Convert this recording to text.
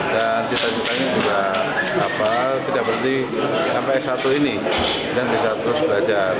dan kita juga rapal tidak berhenti sampai s satu ini dan bisa terus belajar